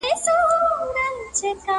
سمدستي یې کړه ور ږغ چي انډیواله.!